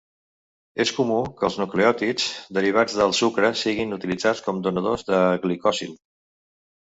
És comú que els nucleòtids derivats del sucre siguin utilitzats com donadors de glicosil.